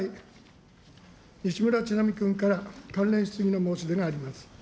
西村智奈美君から、関連質疑の申し出があります。